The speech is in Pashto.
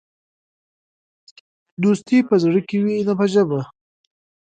دوستي په زړه کې وي، نه په ژبه.